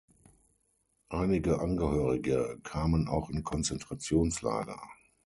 Einige Angehörige kamen auch in Konzentrationslager.